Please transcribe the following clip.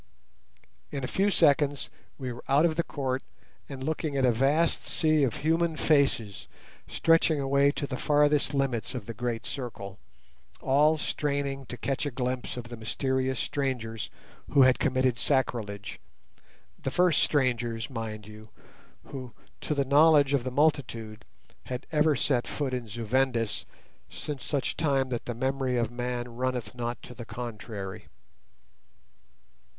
In a few seconds we were out of the court and looking at a vast sea of human faces stretching away to the farthest limits of the great circle, all straining to catch a glimpse of the mysterious strangers who had committed sacrilege; the first strangers, mind you, who, to the knowledge of the multitude, had ever set foot in Zu Vendis since such time that the memory of man runneth not to the contrary.